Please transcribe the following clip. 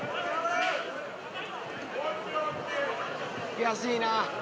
悔しいな。